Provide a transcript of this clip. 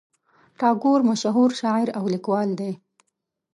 ټاګور مشهور شاعر او لیکوال دی.